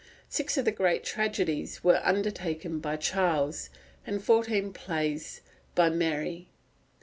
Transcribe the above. Six of the great tragedies were undertaken by Charles, and fourteen other plays by Mary.